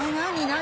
何？